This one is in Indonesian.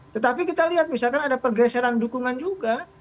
tetapi kita lihat misalkan ada pergeseran dukungan juga